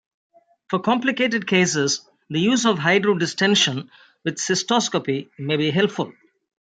For complicated cases, the use of hydrodistention with cystoscopy may be helpful.